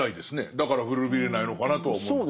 だから古びれないのかなとは思いますね。